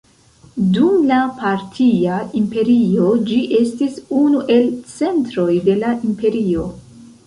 Dum la Partia Imperio ĝi estis unu el centroj de la imperio.